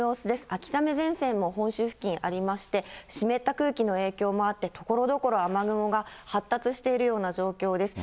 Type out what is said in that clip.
秋雨前線も本州付近ありまして、湿った空気の影響もあって、ところどころ、雨雲が発達しているような状況です。